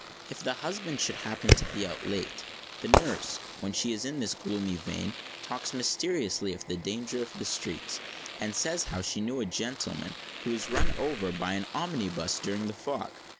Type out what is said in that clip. If the husband should happen to be out late, the nurse, when she is in this gloomy vein, talks mysteriously of the danger of the streets; and says how she knew a gentleman who was run over by an omnibus during the fog.